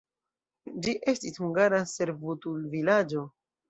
Ĝi estis hungara servutulvilaĝo.